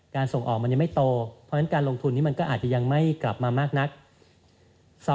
การส่งออกมันยังไม่โต